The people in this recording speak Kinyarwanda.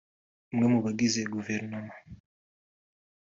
umwe mu bagize Guverinoma